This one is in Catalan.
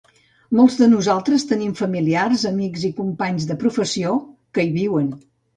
Molts de nosaltres tenim familiars, amics i companys de professió que hi viuen.